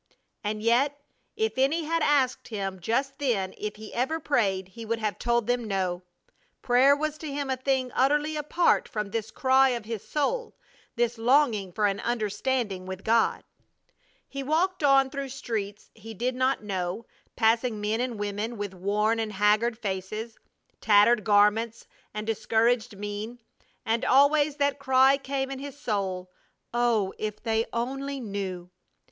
And yet if any had asked him just then if he ever prayed he would have told them no. Prayer was to him a thing utterly apart from this cry of his soul, this longing for an understanding with God. He walked on through streets he did not know, passing men and women with worn and haggard faces, tattered garments, and discouraged mien; and always that cry came in his soul, "Oh, if they only knew!"